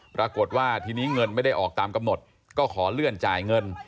ปรากฏว่าทีนี้เงินไม่ได้ออกตามกำหนดก็ขอเลื่อนจ่ายเงิน